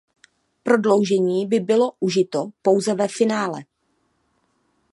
Prodloužení by bylo užito pouze ve finále.